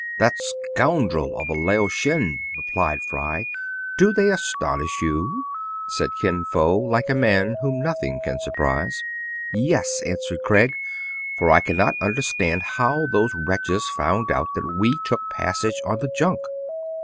" That scoundrel of a Lao Shen !" replied Fry. " Do they astonish you }" said Kin Fo, like a man whom nothing can surprise. "Yes," answered Craig, "for I cannot under stand how those wretches found out that we took passage on the junk."